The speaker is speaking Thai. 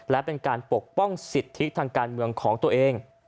และเป็นการปกป้องสิทธิทางการเมืองของตัวเอง